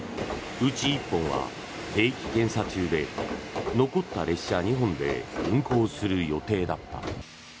うち１本は定期検査中で残った列車２本で運行する予定だった。